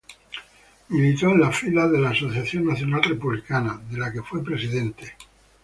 Militó en filas de la Asociación Nacional Republicana, de la que fue presidente.